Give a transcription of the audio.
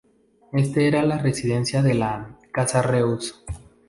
Este era la residencia de la "Casa Reuss".